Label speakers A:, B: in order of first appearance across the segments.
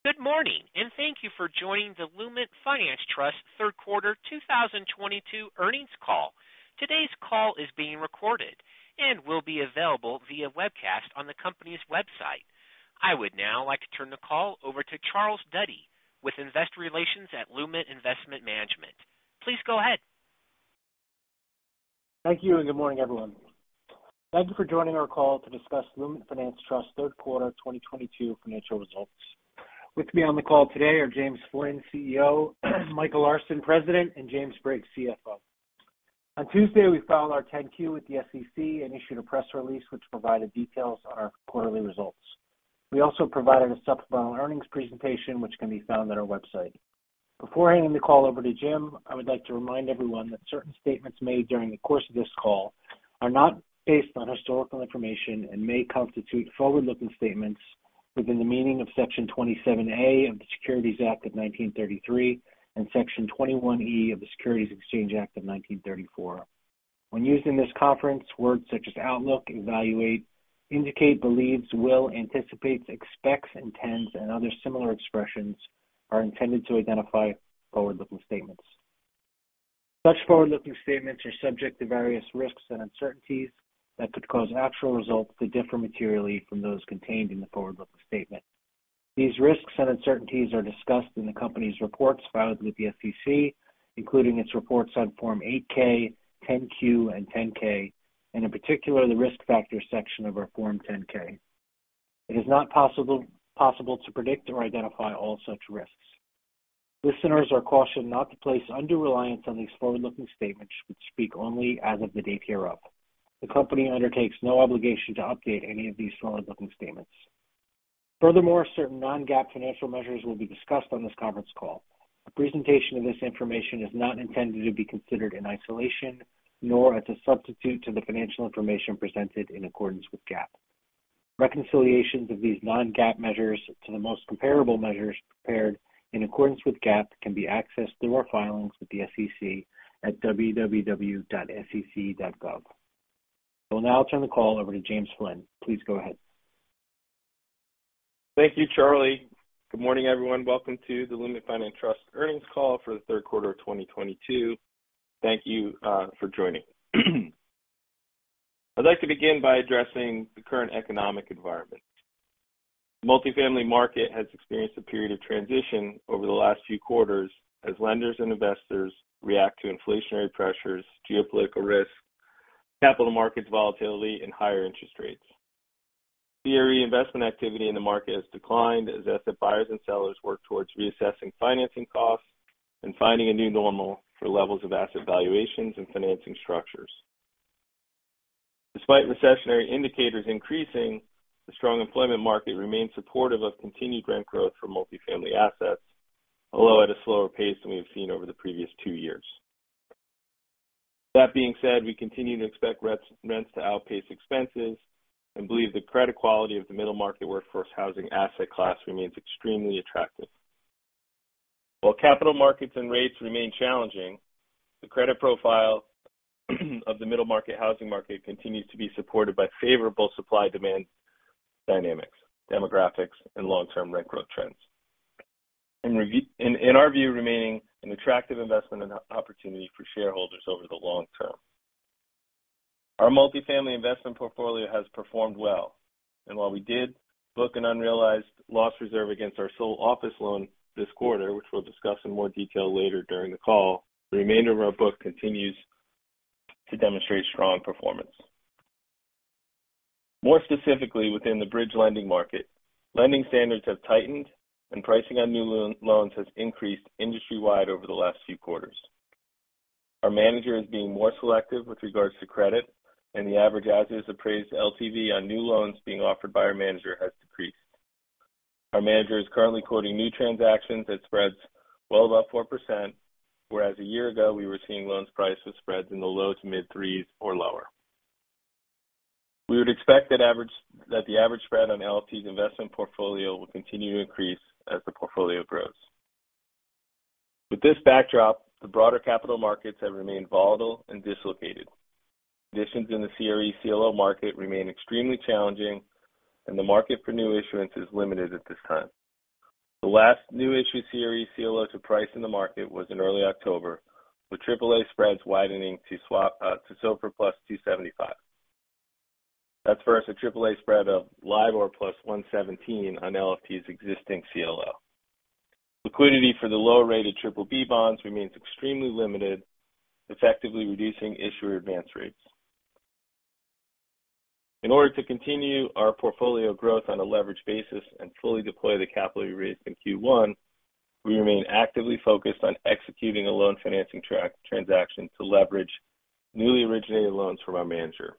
A: Good morning, and thank you for joining the Lument Finance Trust Third Quarter 2022 Earnings Call. Today's call is being recorded and will be available via webcast on the company's website. I would now like to turn the call over to Charles Duddy with Investor Relations at Lument Investment Management. Please go ahead.
B: Thank you, and good morning, everyone. Thank you for joining our call to discuss Lument Finance Trust Third Quarter 2022 Financial Results. With me on the call today are James Flynn, CEO, Michael Larsen, President, and James Briggs, CFO. On Tuesday, we filed our Form 10-Q with the SEC and issued a press release, which provided details on our quarterly results. We also provided a supplemental earnings presentation, which can be found on our website. Before handing the call over to Jim, I would like to remind everyone that certain statements made during the course of this call are not based on historical information and may constitute forward-looking statements within the meaning of Section 27A of the Securities Act of 1933 and Section 21E of the Securities Exchange Act of 1934. When used in this conference, words such as outlook, evaluate, indicate, believes, will, anticipates, expects, intends, and other similar expressions are intended to identify forward-looking statements. Such forward-looking statements are subject to various risks and uncertainties that could cause actual results to differ materially from those contained in the forward-looking statement. These risks and uncertainties are discussed in the company's reports filed with the SEC, including its reports on Form 8-K, Form 10-Q, and Form 10-K, and in particular, the Risk Factors section of our Form 10-K. It is not possible to predict or identify all such risks. Listeners are cautioned not to place undue reliance on these forward-looking statements which speak only as of the date hereof. The company undertakes no obligation to update any of these forward-looking statements. Furthermore, certain non-GAAP financial measures will be discussed on this conference call. The presentation of this information is not intended to be considered in isolation nor as a substitute to the financial information presented in accordance with GAAP. Reconciliations of these non-GAAP measures to the most comparable measures prepared in accordance with GAAP can be accessed through our filings with the SEC at www.sec.gov. I will now turn the call over to James Flynn. Please go ahead.
C: Thank you, Charles. Good morning, everyone. Welcome to the Lument Finance Trust Earnings Call for the Third Quarter of 2022. Thank you, for joining. I'd like to begin by addressing the current economic environment. The multifamily market has experienced a period of transition over the last few quarters as lenders and investors react to inflationary pressures, geopolitical risk, capital markets volatility, and higher interest rates. The REIT investment activity in the market has declined as asset buyers and sellers work towards reassessing financing costs and finding a new normal for levels of asset valuations and financing structures. Despite recessionary indicators increasing, the strong employment market remains supportive of continued rent growth for multifamily assets, although at a slower pace than we have seen over the previous two years. That being said, we continue to expect rents to outpace expenses and believe the credit quality of the middle market workforce housing asset class remains extremely attractive. While capital markets and rates remain challenging, the credit profile of the middle market housing market continues to be supported by favorable supply-demand dynamics, demographics, and long-term rent growth trends. In our view, remaining an attractive investment and opportunity for shareholders over the long term. Our multifamily investment portfolio has performed well, and while we did book an unrealized loss reserve against our sole office loan this quarter, which we'll discuss in more detail later during the call, the remainder of our book continues to demonstrate strong performance. More specifically, within the bridge lending market, lending standards have tightened, and pricing on new loans has increased industry-wide over the last few quarters. Our manager is being more selective with regards to credit, and the average assets appraised LTV on new loans being offered by our manager has decreased. Our manager is currently quoting new transactions at spreads well above 4%, whereas a year ago we were seeing loans priced with spreads in the low to mid-3s or lower. We would expect that the average spread on LFT's investment portfolio will continue to increase as the portfolio grows. With this backdrop, the broader capital markets have remained volatile and dislocated. Conditions in the CRE CLO market remain extremely challenging, and the market for new issuance is limited at this time. The last new issue CRE CLO to price in the market was in early October, with triple A spreads widening to SOFR plus 275. That's versus a triple A spread of LIBOR plus 117 on LFT's existing CLO. Liquidity for the lower-rated triple B bonds remains extremely limited, effectively reducing issuer advance rates. In order to continue our portfolio growth on a leverage basis and fully deploy the capital we raised in Q1, we remain actively focused on executing a loan financing transaction to leverage newly originated loans from our manager.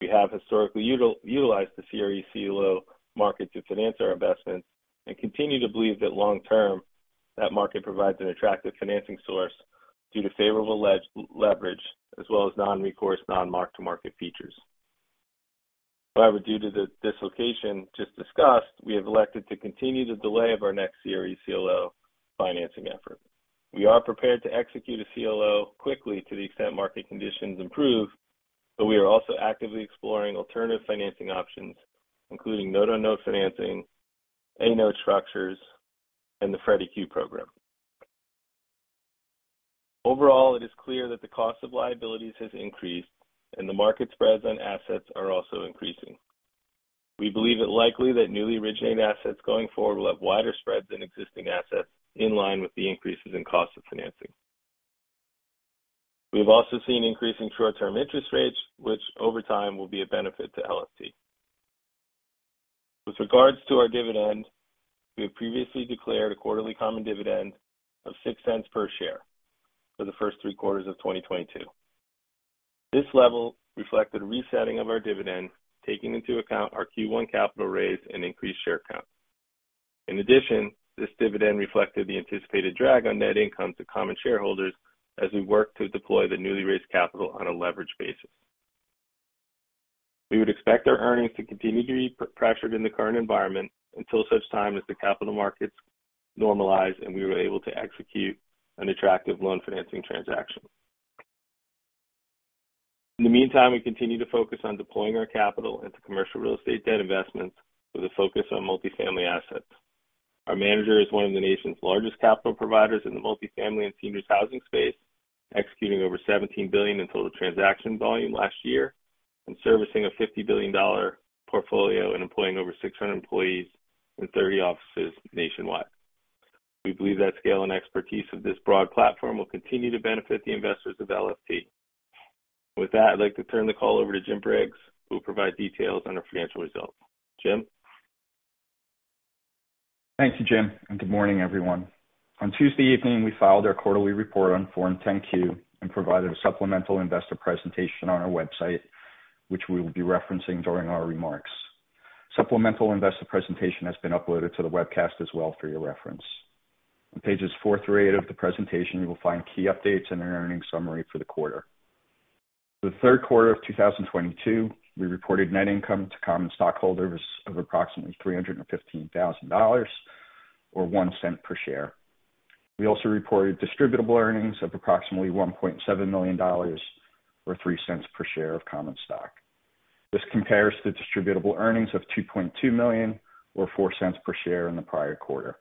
C: We have historically utilized the CRE CLO market to finance our investments and continue to believe that long term, that market provides an attractive financing source due to favorable leverage as well as non-recourse, non-mark-to-market features. However, due to the dislocation just discussed, we have elected to continue the delay of our next CRE CLO financing effort. We are prepared to execute a CLO quickly to the extent market conditions improve. We are also actively exploring alternative financing options, including note to note financing, A note structures, and the Freddie Mac Q-Deal program. Overall, it is clear that the cost of liabilities has increased and the market spreads on assets are also increasing. We believe it likely that newly originated assets going forward will have wider spreads than existing assets in line with the increases in cost of financing. We've also seen increasing short-term interest rates, which over time will be a benefit to LFT. With regards to our dividend, we have previously declared a quarterly common dividend of $0.06 per share for the first three quarters of 2022. This level reflected resetting of our dividend, taking into account our Q1 capital raise and increased share count. In addition, this dividend reflected the anticipated drag on net income to common shareholders as we work to deploy the newly raised capital on a leverage basis. We would expect our earnings to continue to be pressured in the current environment until such time as the capital markets normalize and we were able to execute an attractive loan financing transaction. In the meantime, we continue to focus on deploying our capital into commercial real estate debt investments with a focus on multifamily assets. Our manager is one of the nation's largest capital providers in the multifamily and seniors housing space, executing over $17 billion in total transaction volume last year and servicing a $50 billion portfolio and employing over 600 employees in 30 offices nationwide. We believe that scale and expertise of this broad platform will continue to benefit the investors of LFT. With that, I'd like to turn the call over to James Briggs, who will provide details on our financial results. Jim.
D: Thank you, Jim, and good morning, everyone. On Tuesday evening, we filed our quarterly report on Form 10-Q and provided a supplemental investor presentation on our website, which we will be referencing during our remarks. Supplemental investor presentation has been uploaded to the webcast as well for your reference. On pages four through eight of the presentation, you will find key updates and an earnings summary for the quarter. For the third quarter of 2022, we reported net income to common stockholders of approximately $315,000 or $0.01 per share. We also reported distributable earnings of approximately $1.7 million or $0.03 per share of common stock. This compares to distributable earnings of $2.2 million or $0.04 per share in the prior quarter.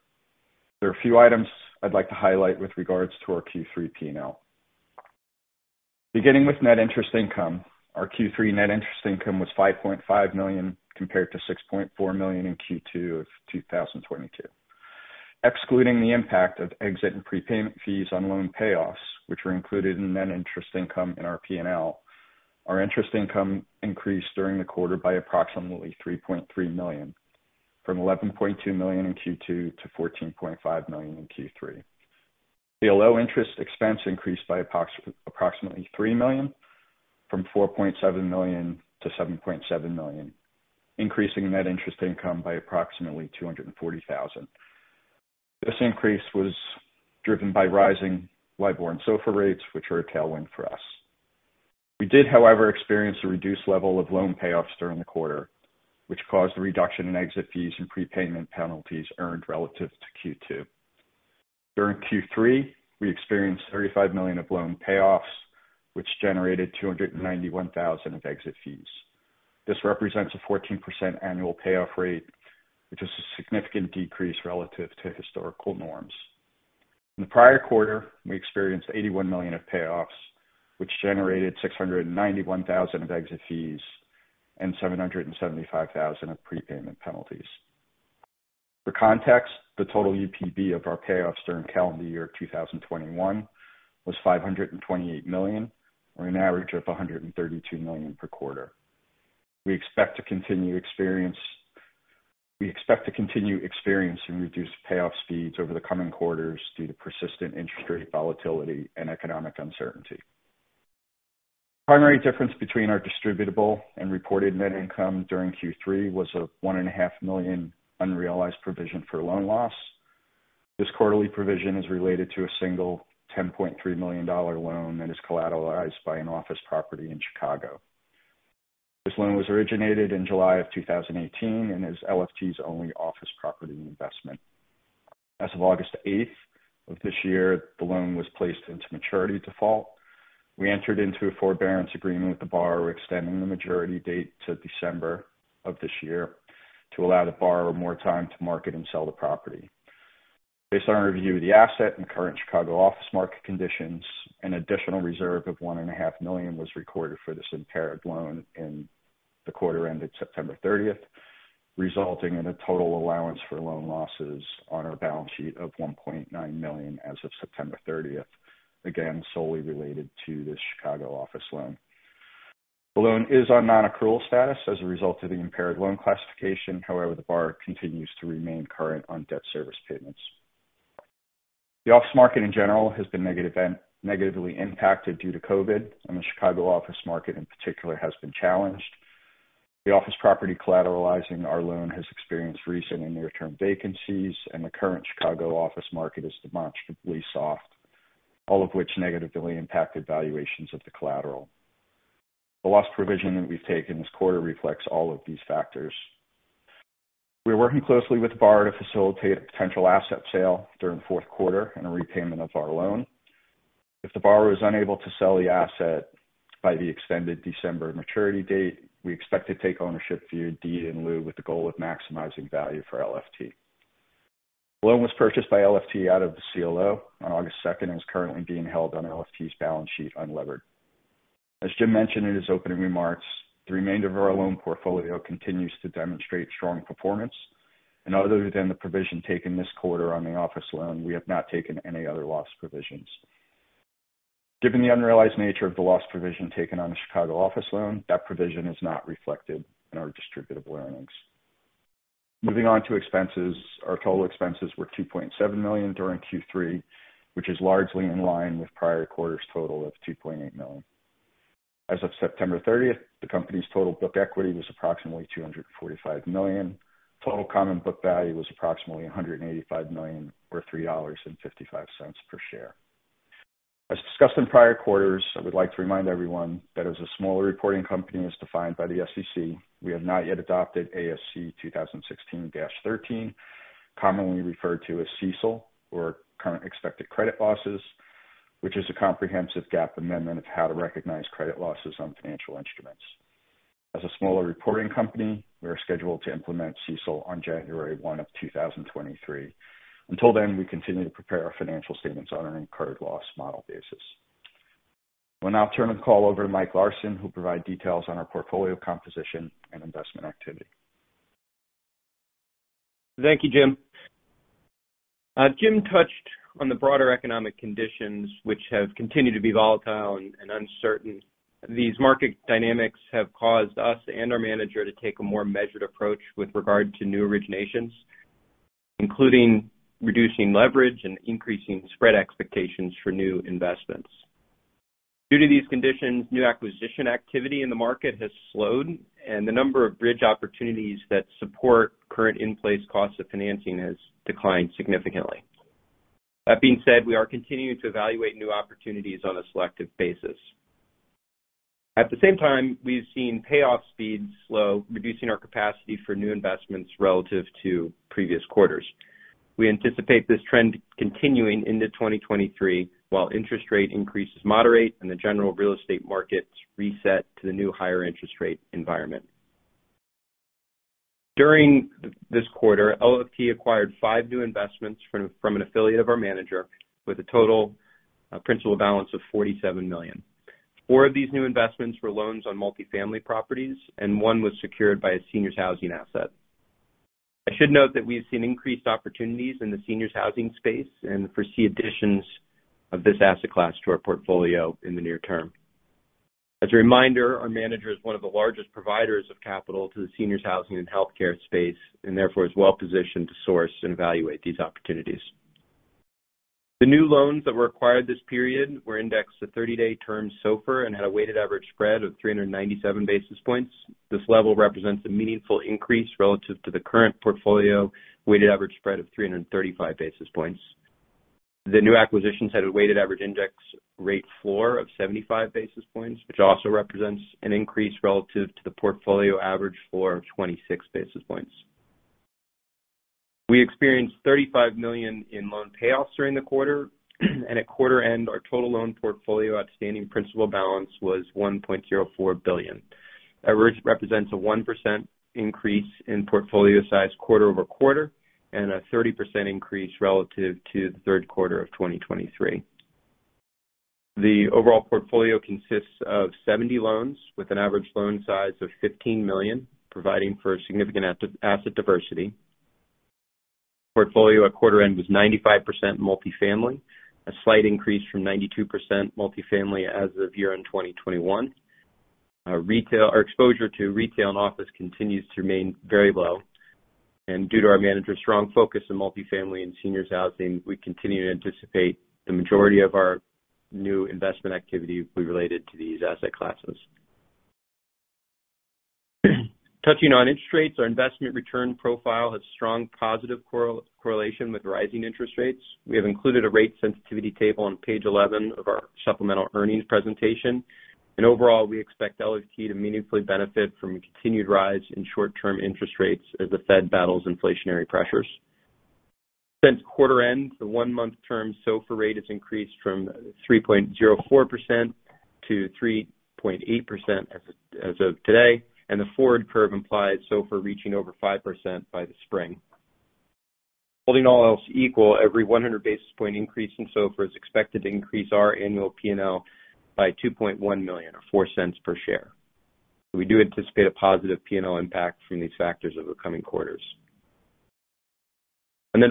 D: There are a few items I'd like to highlight with regards to our Q3 P&L. Beginning with net interest income, our Q3 net interest income was $5.5 million, compared to $6.4 million in Q2 of 2022. Excluding the impact of exit and prepayment fees on loan payoffs, which are included in net interest income in our P&L, our interest income increased during the quarter by approximately $3.3 million, from $11.2 million in Q2 to $14.5 million in Q3. The interest expense increased by approximately $3 million from $4.7 million-$7.7 million, increasing net interest income by approximately $240 thousand. This increase was driven by rising LIBOR and SOFR rates, which are a tailwind for us. We did, however, experience a reduced level of loan payoffs during the quarter, which caused a reduction in exit fees and prepayment penalties earned relative to Q2. During Q3, we experienced $35 million of loan payoffs, which generated $291,000 of exit fees. This represents a 14% annual payoff rate, which is a significant decrease relative to historical norms. In the prior quarter, we experienced $81 million of payoffs, which generated $691,000 of exit fees and $775,000 of prepayment penalties. For context, the total UPB of our payoffs during calendar year 2021 was $528 million, or an average of $132 million per quarter. We expect to continue experiencing reduced payoff speeds over the coming quarters due to persistent interest rate volatility and economic uncertainty. Primary difference between our distributable and reported net income during Q3 was a $1.5 million unrealized provision for loan loss. This quarterly provision is related to a single $10.3 million loan that is collateralized by an office property in Chicago. This loan was originated in July 2018 and is LFT's only office property investment. As of August 8 of this year, the loan was placed into maturity default. We entered into a forbearance agreement with the borrower, extending the maturity date to December of this year to allow the borrower more time to market and sell the property. Based on our review of the asset and current Chicago office market conditions, an additional reserve of $1.5 million was recorded for this impaired loan in the quarter ended September 30th, resulting in a total allowance for loan losses on our balance sheet of $1.9 million as of September 30th, again, solely related to this Chicago office loan. The loan is on non-accrual status as a result of the impaired loan classification. However, the borrower continues to remain current on debt service payments. The office market in general has been negatively impacted due to COVID, and the Chicago office market in particular has been challenged. The office property collateralizing our loan has experienced recent and near-term vacancies, and the current Chicago office market is demonstrably soft, all of which negatively impacted valuations of the collateral. The loss provision that we've taken this quarter reflects all of these factors. We're working closely with the borrower to facilitate a potential asset sale during fourth quarter and a repayment of our loan. If the borrower is unable to sell the asset by the extended December maturity date, we expect to take ownership via deed in lieu with the goal of maximizing value for LFT. The loan was purchased by LFT out of the CLO on August second and is currently being held on LFT's balance sheet unlevered. As Jim mentioned in his opening remarks, the remainder of our loan portfolio continues to demonstrate strong performance. Other than the provision taken this quarter on the office loan, we have not taken any other loss provisions. Given the unrealized nature of the loss provision taken on the Chicago office loan, that provision is not reflected in our distributable earnings. Moving on to expenses. Our total expenses were $2.7 million during Q3, which is largely in line with prior quarter's total of $2.8 million. As of September 30th, the company's total book equity was approximately $245 million. Total common book value was approximately $185 million, or $3.55 per share. As discussed in prior quarters, I would like to remind everyone that as a smaller reporting company, as defined by the SEC, we have not yet adopted ASU 2016-13, commonly referred to as CECL or Current Expected Credit Losses, which is a comprehensive GAAP amendment of how to recognize credit losses on financial instruments. As a smaller reporting company, we are scheduled to implement CECL on January 1, 2023. Until then, we continue to prepare our financial statements on an incurred loss model basis. I will now turn the call over to Mike Larsen, who'll provide details on our portfolio composition and investment activity.
E: Thank you, Jim. Jim touched on the broader economic conditions which have continued to be volatile and uncertain. These market dynamics have caused us and our manager to take a more measured approach with regard to new originations, including reducing leverage and increasing spread expectations for new investments. Due to these conditions, new acquisition activity in the market has slowed, and the number of bridge opportunities that support current in-place costs of financing has declined significantly. That being said, we are continuing to evaluate new opportunities on a selective basis. At the same time, we've seen payoff speeds slow, reducing our capacity for new investments relative to previous quarters. We anticipate this trend continuing into 2023 while interest rate increases moderate and the general real estate markets reset to the new higher interest rate environment. During this quarter, LFT acquired five new investments from an affiliate of our manager with a total principal balance of $47 million. Four of these new investments were loans on multifamily properties, and one was secured by a seniors housing asset. I should note that we've seen increased opportunities in the seniors housing space and foresee additions of this asset class to our portfolio in the near term. As a reminder, our manager is one of the largest providers of capital to the seniors housing and healthcare space, and therefore is well-positioned to source and evaluate these opportunities. The new loans that were acquired this period were indexed to 30-day term SOFR and had a weighted average spread of 397 basis points. This level represents a meaningful increase relative to the current portfolio weighted average spread of 335 basis points. The new acquisitions had a weighted average index rate floor of 75 basis points, which also represents an increase relative to the portfolio average floor of 26 basis points. We experienced $35 million in loan payoffs during the quarter. At quarter end, our total loan portfolio outstanding principal balance was $1.04 billion. That represents a 1% increase in portfolio size quarter over quarter and a 30% increase relative to the third quarter of 2023. The overall portfolio consists of 70 loans with an average loan size of $15 million, providing for significant asset diversity. Portfolio at quarter end was 95% multifamily, a slight increase from 92% multifamily as of year-end 2021. Our exposure to retail and office continues to remain very low. Due to our manager's strong focus on multifamily and seniors housing, we continue to anticipate the majority of our new investment activity will be related to these asset classes. Touching on interest rates, our investment return profile has strong positive correlation with rising interest rates. We have included a rate sensitivity table on page 11 of our supplemental earnings presentation. Overall, we expect LFT to meaningfully benefit from a continued rise in short-term interest rates as the Fed battles inflationary pressures. Since quarter end, the one-month term SOFR rate has increased from 3.04%-3.8% as of today, and the forward curve implies SOFR reaching over 5% by the spring. Holding all else equal, every 100 basis point increase in SOFR is expected to increase our annual P&L by $2.1 million or $0.04 per share. We do anticipate a positive P&L impact from these factors over coming quarters.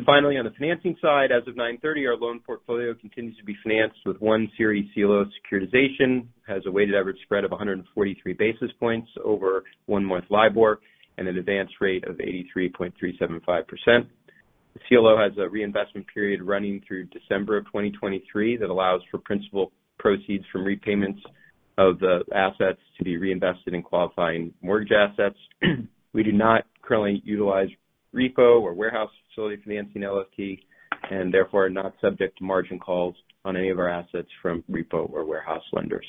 E: Finally, on the financing side, as of 9:30 AM, our loan portfolio continues to be financed with one series CLO securitization, has a weighted average spread of 143 basis points over one month LIBOR and an advance rate of 83.375%. The CLO has a reinvestment period running through December of 2023 that allows for principal proceeds from repayments of the assets to be reinvested in qualifying mortgage assets. We do not currently utilize repo or warehouse facility financing at LFT and therefore are not subject to margin calls on any of our assets from repo or warehouse lenders.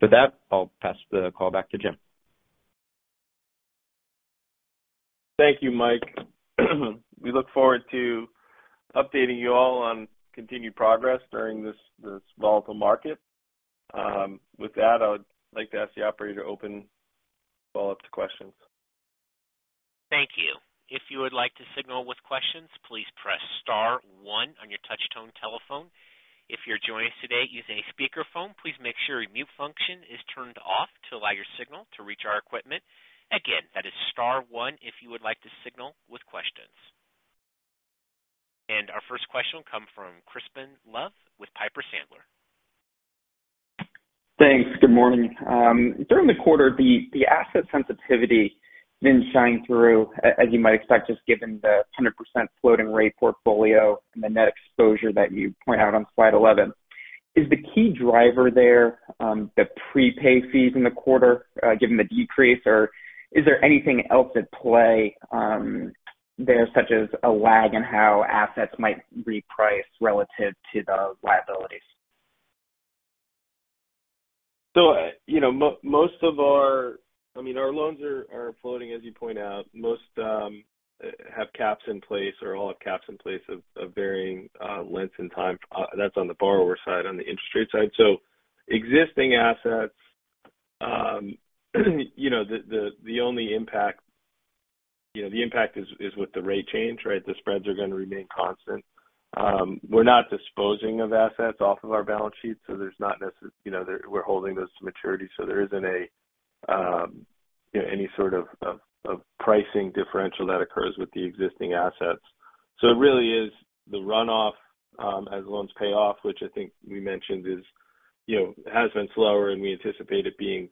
E: With that, I'll pass the call back to Jim.
C: Thank you, Mike. We look forward to updating you all on continued progress during this volatile market. With that, I would like to ask the operator to open follow-up to questions.
A: Thank you. If you would like to signal with questions, please press star one on your touchtone telephone. If you're joining us today using a speakerphone, please make sure your mute function is turned off to allow your signal to reach our equipment. Again, that is star one if you would like to signal with questions. Our first question will come from Crispin Love with Piper Sandler.
F: Thanks. Good morning. During the quarter, the asset sensitivity didn't shine through as you might expect, just given the 100% floating rate portfolio and the net exposure that you point out on slide 11. Is the key driver there the prepaid fees in the quarter, given the decrease? Or is there anything else at play there, such as a lag in how assets might reprice relative to the liabilities?
C: You know, most of our loans are floating as you point out. Most have caps in place or all have caps in place of varying lengths and time. That's on the borrower side, on the interest rate side. Existing assets, you know, the only impact, you know, the impact is with the rate change, right? The spreads are gonna remain constant. We're not disposing of assets off of our balance sheet, so we're holding those to maturity, so there isn't a, you know, any sort of pricing differential that occurs with the existing assets. It really is the runoff, as loans pay off, which I think we mentioned is, you know, has been slower, and we anticipate it being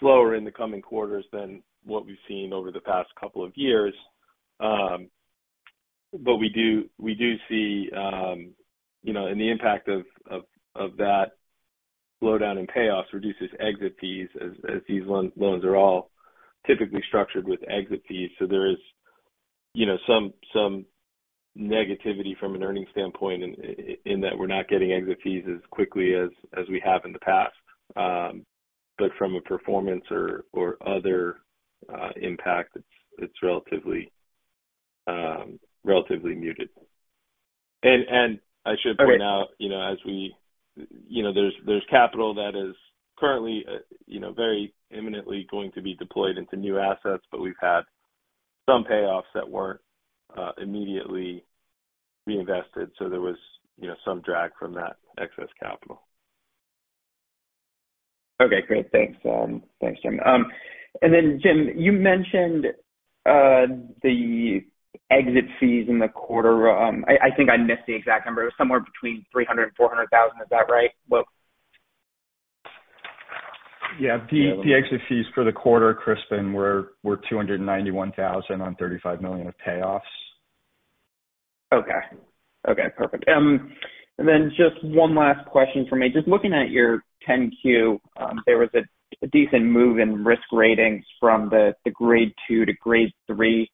C: slower in the coming quarters than what we've seen over the past couple of years. We do see, you know, and the impact of that slowdown in payoffs reduces exit fees as these loans are all typically structured with exit fees. There is, you know, some negativity from an earnings standpoint in that we're not getting exit fees as quickly as we have in the past. From a performance or other impact, it's relatively muted. I should point out, you know, as we... You know, there's capital that is currently, you know, very imminently going to be deployed into new assets, but we've had some payoffs that weren't immediately reinvested, so there was, you know, some drag from that excess capital.
F: Okay, great. Thanks. Thanks, Jim. Jim, you mentioned the exit fees in the quarter. I think I missed the exact number. It was somewhere between $300,000-$400,000. Is that right? What-
D: Yeah. The exit fees for the quarter, Crispin, were $291,000 on $35 million of payoffs.
F: Okay. Okay, perfect. Just one last question from me. Just looking at your Form 10-Q, there was a decent move in risk ratings from the grade two-grade three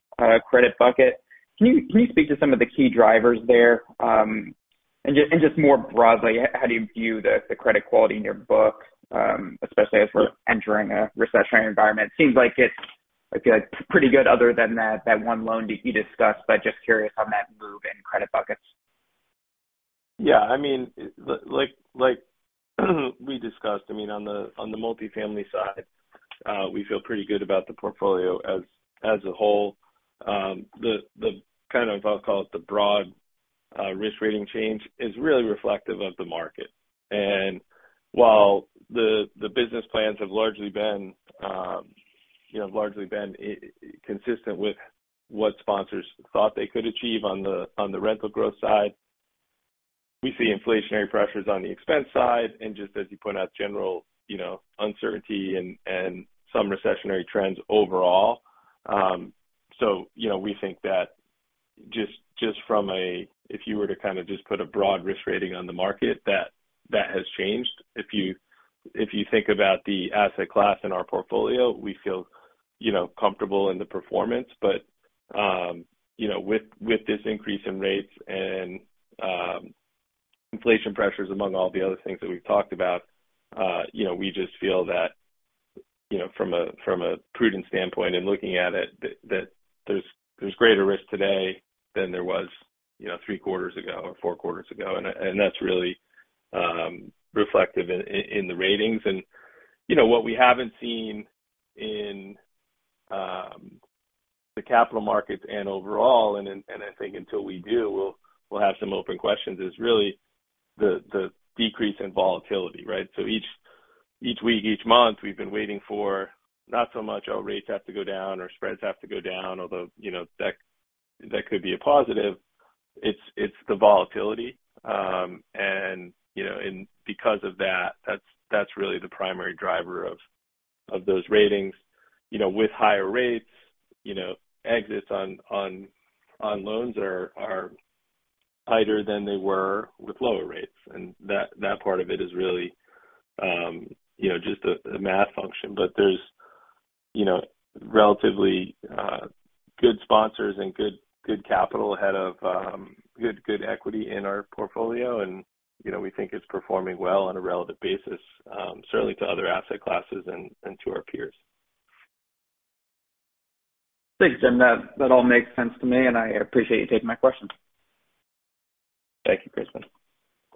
F: credit bucket. Can you speak to some of the key drivers there? Just more broadly, how do you view the credit quality in your book, especially as we're entering a recessionary environment? Seems like it's like a pretty good other than that one loan you discussed, but just curious on that move in credit buckets.
C: Yeah, I mean, like we discussed, I mean, on the multifamily side, we feel pretty good about the portfolio as a whole. The kind of, I'll call it, the broad risk rating change is really reflective of the market. While the business plans have largely been inconsistent with what sponsors thought they could achieve on the rental growth side. We see inflationary pressures on the expense side and just as you point out, general, you know, uncertainty and some recessionary trends overall. You know, we think that just from a, if you were to kind of just put a broad risk rating on the market, that has changed. If you think about the asset class in our portfolio, we feel, you know, comfortable in the performance. You know, with this increase in rates and inflation pressures among all the other things that we've talked about, you know, we just feel that, you know, from a prudent standpoint and looking at it that there's greater risk today than there was, you know, three quarters ago or four quarters ago. That's really reflective in the ratings. You know, what we haven't seen in the capital markets and overall, and I think until we do, we'll have some open questions is really the decrease in volatility, right? Each week, each month, we've been waiting for not so much, oh, rates have to go down or spreads have to go down. Although you know, that could be a positive. It's the volatility. Because of that's really the primary driver of those ratings. You know, with higher rates, you know, exits on loans are tighter than they were with lower rates. That part of it is really, you know, just a math function. You know, relatively, good sponsors and good capital ahead of good equity in our portfolio. You know, we think it's performing well on a relative basis, certainly to other asset classes and to our peers.
F: Thanks, Jim. That all makes sense to me, and I appreciate you taking my question.
C: Thank you, Crispin.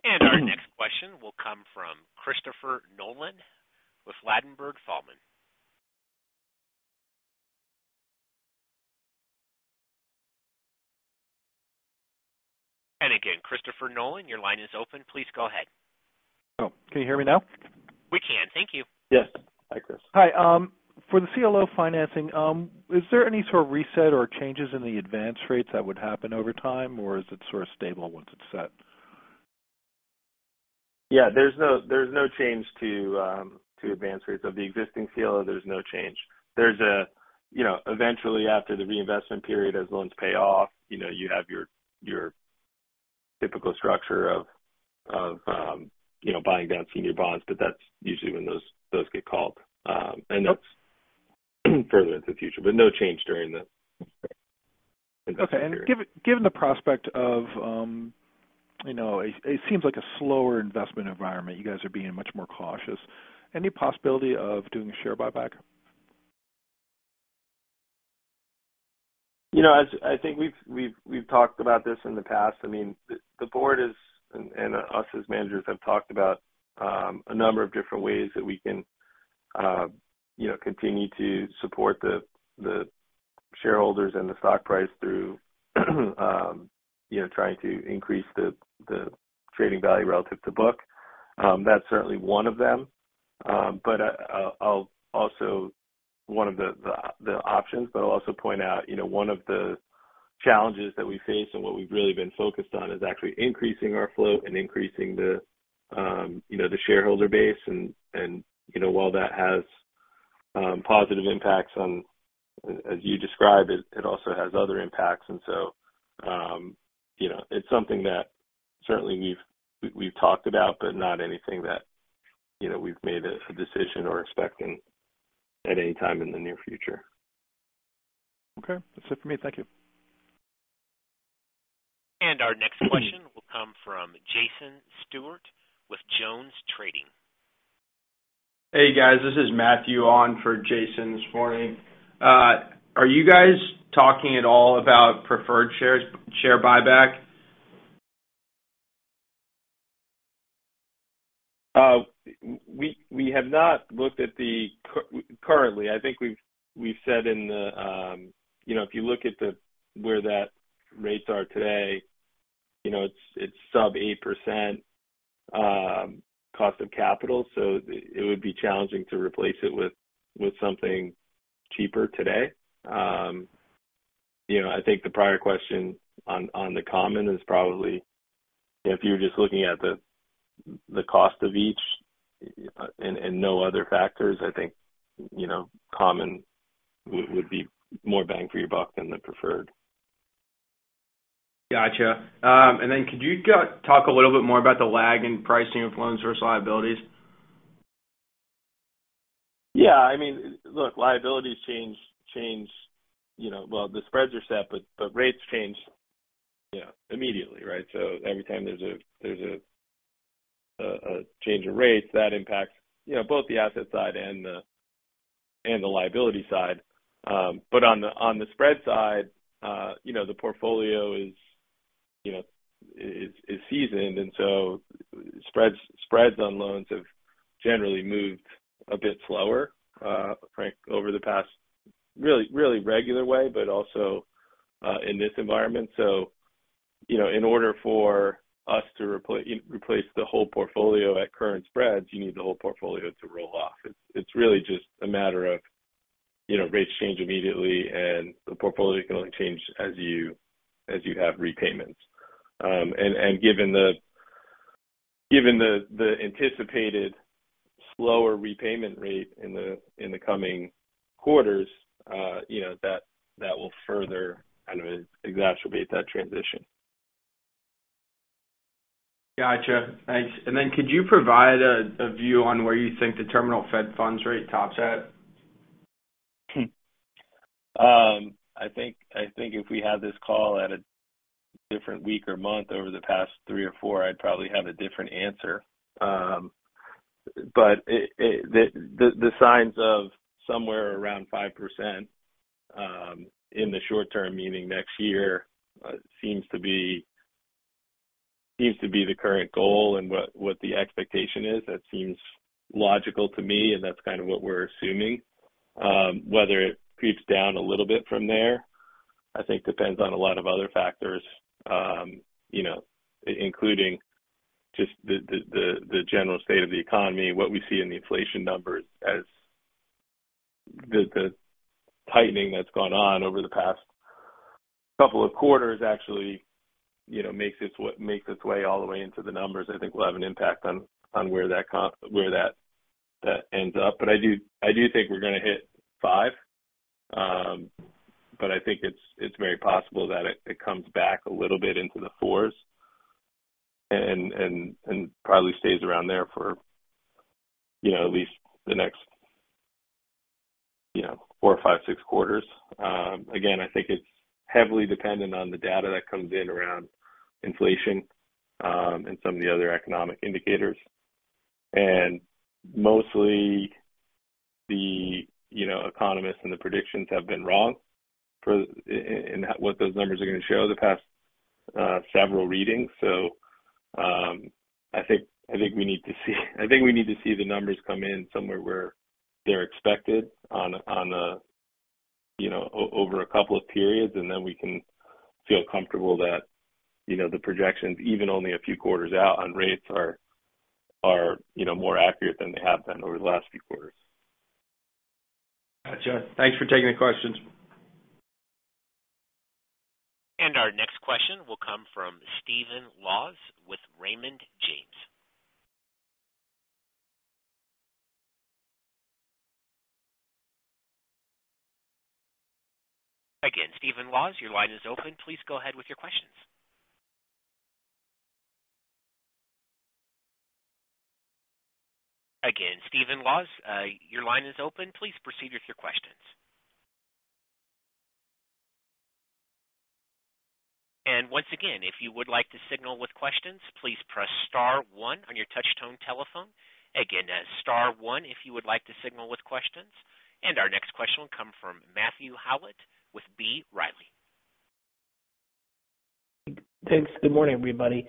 A: Our next question will come from Christopher Nolan with Ladenburg Thalmann. Again, Christopher Nolan, your line is open. Please go ahead.
G: Oh, can you hear me now?
A: We can. Thank you.
C: Yes. Hi, Chris.
G: Hi. For the CLO financing, is there any sort of reset or changes in the advance rates that would happen over time, or is it sort of stable once it's set?
C: Yeah, there's no change to advance rates of the existing CLO. There's no change. You know, eventually after the reinvestment period, as loans pay off, you know, you have your typical structure of buying down senior bonds, but that's usually when those get called, and that's further into the future, but no change during the reinvestment period.
G: Okay. Given the prospect of, you know, it seems like a slower investment environment. You guys are being much more cautious. Any possibility of doing a share buyback?
C: You know, I think we've talked about this in the past. I mean, the board is and us as managers have talked about a number of different ways that we can, you know, continue to support the shareholders and the stock price through, you know, trying to increase the trading value relative to book. That's certainly one of them. But I'll also point out one of the options, you know, one of the challenges that we face and what we've really been focused on is actually increasing our flow and increasing the shareholder base and, you know, while that has positive impacts on, as you described it also has other impacts. You know, it's something that certainly we've talked about, but not anything that, you know, we've made a decision or expecting at any time in the near future.
G: Okay. That's it for me. Thank you.
A: Our next question will come from Jason Stewart with Jones Trading.
H: Hey, guys. This is Matthew on for Jason this morning. Are you guys talking at all about preferred shares, share buyback?
C: Currently, I think we've said in the, you know, if you look at where the rates are today, you know, it's sub-8% cost of capital, so it would be challenging to replace it with something cheaper today. You know, I think the prior question on the common is probably if you were just looking at the cost of each and no other factors, I think, you know, common would be more bang for your buck than the preferred.
H: Gotcha. Could you talk a little bit more about the lag in pricing influence versus liabilities?
C: Yeah. I mean, look, liabilities change, you know. Well, the spreads are set, but the rates change, you know, immediately, right? Every time there's a change in rates, that impacts, you know, both the asset side and the liability side. But on the spread side, you know, the portfolio is seasoned, and so spreads on loans have generally moved a bit slower, Frank, over the past really regular way but also in this environment. You know, in order for us to replace the whole portfolio at current spreads, you need the whole portfolio to roll off. It's really just a matter of, you know, rates change immediately, and the portfolio can only change as you have repayments. Given the anticipated slower repayment rate in the coming quarters, you know, that will further kind of exacerbate that transition.
H: Gotcha. Thanks. Could you provide a view on where you think the terminal Fed funds rate tops at?
C: I think if we had this call at a different week or month over the past three or four, I'd probably have a different answer. The signs of somewhere around 5% in the short term, meaning next year, seems to be the current goal and what the expectation is. That seems logical to me, and that's kind of what we're assuming. Whether it creeps down a little bit from there, I think depends on a lot of other factors, you know, including just the general state of the economy, what we see in the inflation numbers as the tightening that's gone on over the past couple of quarters actually, you know, makes its way all the way into the numbers, I think will have an impact on where that ends up. I do think we're gonna hit five. I think it's very possible that it comes back a little bit into the 4s. Probably stays around there for, you know, at least the next, you know, four, five, six quarters. Again, I think it's heavily dependent on the data that comes in around inflation and some of the other economic indicators. Mostly, you know, the economists and the predictions have been wrong in what those numbers are gonna show for the past several readings. I think we need to see the numbers come in somewhere where they're expected on a, you know, over a couple of periods, and then we can feel comfortable that, you know, the projections, even only a few quarters out on rates are, you know, more accurate than they have been over the last few quarters. Gotcha. Thanks for taking the questions.
A: Our next question will come from Stephen Laws with Raymond James. Again, Stephen Laws, your line is open. Please go ahead with your questions. Again, Stephen Laws, your line is open. Please proceed with your questions. Once again, if you would like to signal with questions, please press star one on your touchtone telephone. Again, star one if you would like to signal with questions. Our next question will come from Matthew Howlett with B. Riley.
I: Thanks. Good morning, everybody.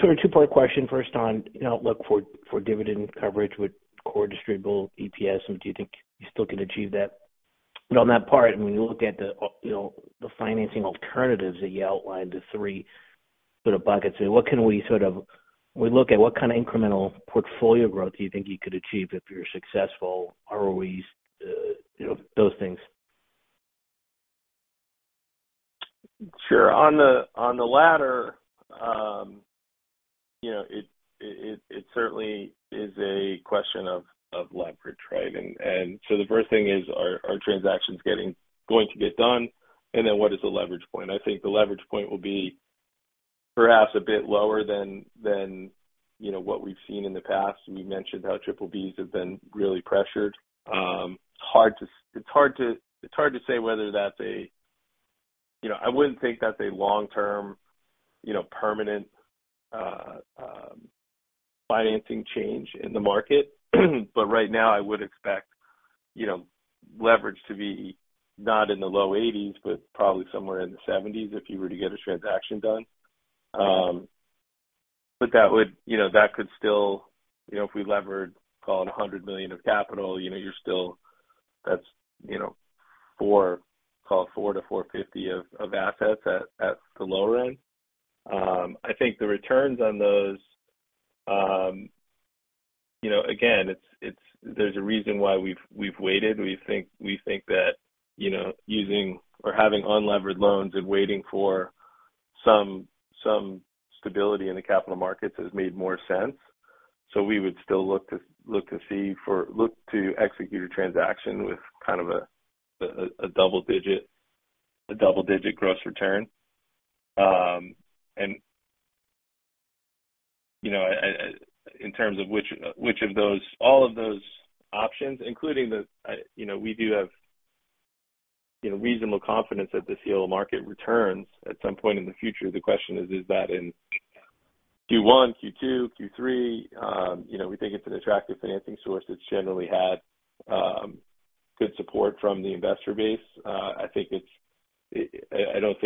I: Sort of two-part question. First on, you know, looking for dividend coverage with core distributable EPS, and do you think you still can achieve that? On that part, when you look at the financing alternatives that you outlined, the three sort of buckets, when we look at what kind of incremental portfolio growth do you think you could achieve if you're successful, ROEs, those things?
C: Sure. On the latter, you know, it certainly is a question of leverage, right? The first thing is are transactions going to get done, and then what is the leverage point? I think the leverage point will be perhaps a bit lower than you know what we've seen in the past. We mentioned how triple-Bs have been really pressured. You know, I wouldn't think that's a long-term, you know, permanent financing change in the market, but right now I would expect, you know, leverage to be not in the low 80s, but probably somewhere in the 70s if you were to get a transaction done. That would, you know, that could still, you know, if we levered, call it $100 million of capital, you know, you're still, that's, you know, $400 million-$450 million of assets at the low end. I think the returns on those. You know, again, it's—there's a reason why we've waited. We think that, you know, using or having unlevered loans and waiting for some stability in the capital markets has made more sense. We would still look to execute a transaction with a double-digit gross return. You know, in terms of which of those all of those options, including the, you know, we do have you know reasonable confidence that the CLO market returns at some point in the future. The question is that in Q1, Q2, Q3? You know, we think it's an attractive financing source that's generally had good support from the investor base. I don't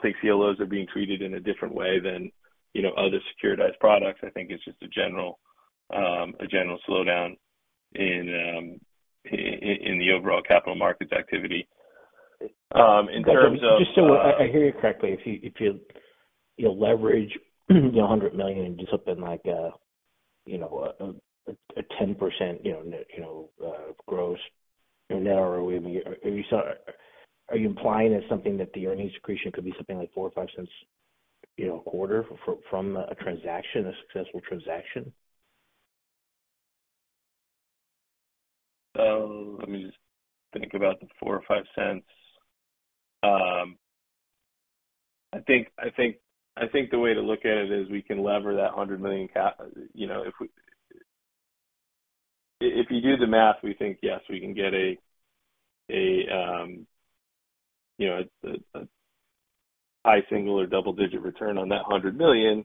C: think CLOs are being treated in a different way than you know other securitized products. I think it's just a general slowdown in in the overall capital markets activity. In terms of-
I: Just so I hear you correctly, if you know, leverage, you know, $100 million and do something like, you know, a 10%, you know, gross or net or whatever, are you implying it's something that the earnings accretion could be something like $0.04 or $0.05, you know, a quarter from a transaction, a successful transaction?
C: Let me just think about the $0.04 or $0.05. I think the way to look at it is we can lever that $100 million cap, if you do the math, we think, yes, we can get a high single- or double-digit return on that $100 million,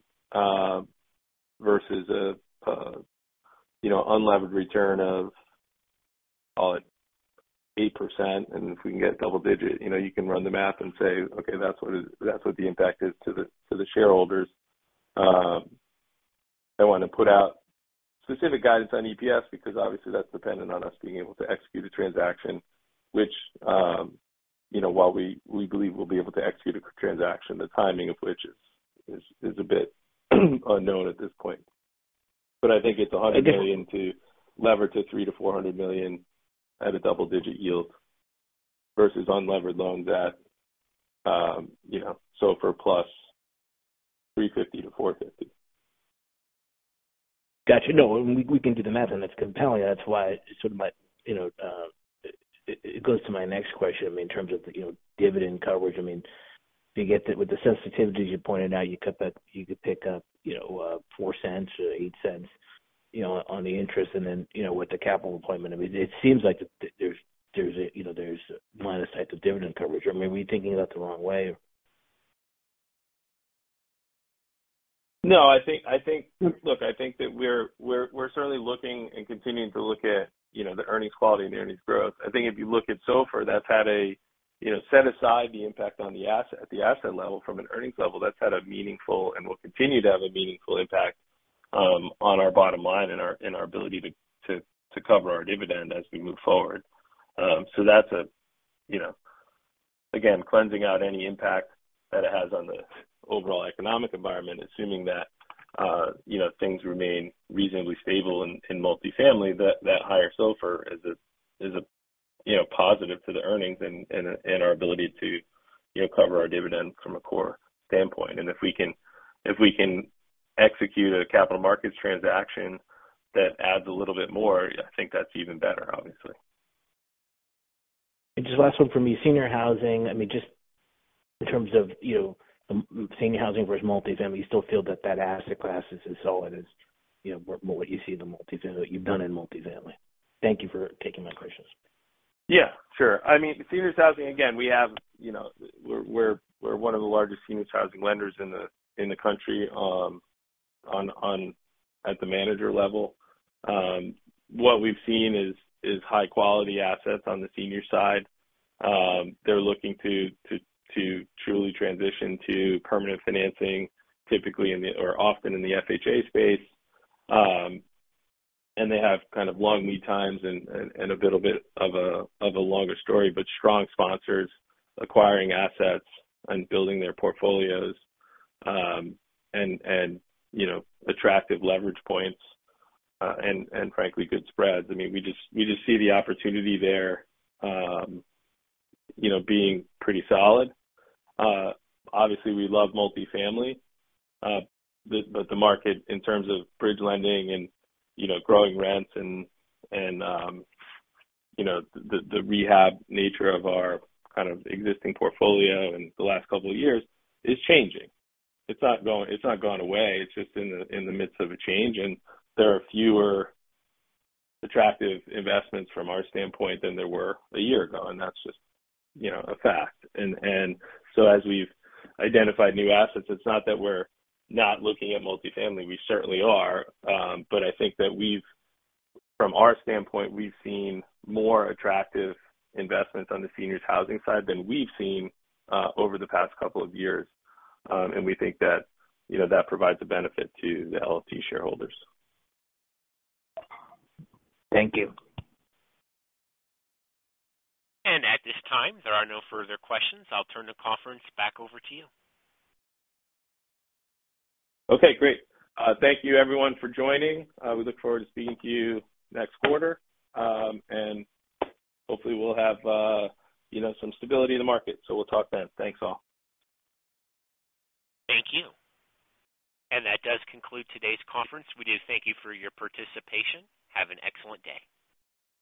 C: versus a unlevered return of, call it 8%. If we can get double-digit, you can run the math and say, "Okay, that's what the impact is to the shareholders." I don't wanna put out specific guidance on EPS because obviously that's dependent on us being able to execute a transaction which, while we believe we'll be able to execute a transaction, the timing of which is a bit unknown at this point. I think it's $100 million to leverage to $300 million-$400 million at a double-digit yield versus unlevered loans at SOFR plus $350 million-$450 million.
I: Gotcha. No, we can do the math, and that's compelling. That's why. You know, it goes to my next question. I mean, in terms of, you know, dividend coverage, I mean, if you get with the sensitivities you pointed out, you could pick up, you know, $0.04 or $0.08, you know, on the interest and then, you know, with the capital deployment. I mean, it seems like there's, you know, line of sight to dividend coverage. Or maybe we're thinking about it the wrong way.
C: No, I think. Look, I think that we're certainly looking and continuing to look at, you know, the earnings quality and the earnings growth. I think if you look at SOFR, that's had a, you know, set aside the impact on the asset level from an earnings level, that's had a meaningful and will continue to have a meaningful impact on our bottom line and our ability to cover our dividend as we move forward. That's a, you know. Again, cleansing out any impact that it has on the overall economic environment, assuming that, you know, things remain reasonably stable in multifamily, that higher SOFR is a, you know, positive to the earnings and our ability to cover our dividend from a core standpoint. If we can execute a capital markets transaction that adds a little bit more, I think that's even better, obviously.
I: Just last one for me. Senior housing, I mean, just in terms of, you know, senior housing versus multifamily, you still feel that asset class is as solid as, you know, what you see in the multifamily, what you've done in multifamily? Thank you for taking my questions.
C: Yeah, sure. I mean, seniors housing, again, we have, you know. We're one of the largest seniors housing lenders in the country, at the manager level. What we've seen is high quality assets on the senior side. They're looking to truly transition to permanent financing, typically or often in the FHA space. They have kind of long lead times and a little bit of a longer story, but strong sponsors acquiring assets and building their portfolios, and you know, attractive leverage points and frankly good spreads. I mean, we just see the opportunity there, you know, being pretty solid. Obviously we love multifamily, but the market in terms of bridge lending and, you know, growing rents and, you know, the rehab nature of our kind of existing portfolio in the last couple of years is changing. It's not gone away. It's just in the midst of a change, and there are fewer attractive investments from our standpoint than there were a year ago. That's just, you know, a fact. So as we've identified new assets, it's not that we're not looking at multifamily. We certainly are. But I think that from our standpoint, we've seen more attractive investments on the seniors housing side than we've seen over the past couple of years. And we think that, you know, that provides a benefit to the LFT shareholders.
I: Thank you.
A: At this time, there are no further questions. I'll turn the conference back over to you.
C: Okay, great. Thank you everyone for joining. We look forward to speaking to you next quarter. Hopefully we'll have, you know, some stability in the market. We'll talk then. Thanks, all.
A: Thank you. That does conclude today's conference. We do thank you for your participation. Have an excellent day.